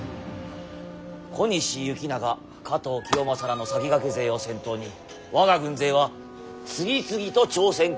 小西行長加藤清正らの先駆け勢を先頭に我が軍勢は次々と朝鮮国へ上陸。